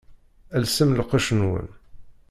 Lsem lqecc-nwen!